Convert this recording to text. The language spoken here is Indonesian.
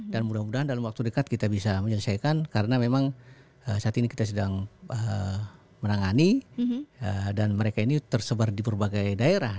dan mudah mudahan dalam waktu dekat kita bisa menyelesaikan karena memang saat ini kita sedang menangani dan mereka ini tersebar di berbagai daerah